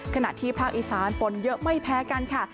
ขณะที่ภาคอีสานฝนเยอะไม่แพ้กันค่ะ